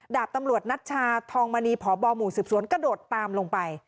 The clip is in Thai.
ดาบตำรวจนัชชาทองมณีพบหมู่สืบสวนกระโดดตามลงไป